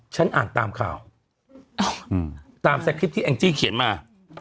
ฉันอ่านตามข่าวตามสคริปต์ที่แองจี้เขียนมา